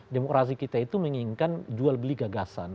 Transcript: demokrasi kita itu menginginkan jual beli gagasan